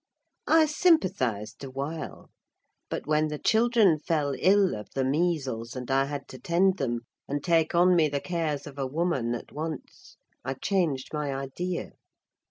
I sympathised a while; but when the children fell ill of the measles, and I had to tend them, and take on me the cares of a woman at once, I changed my idea.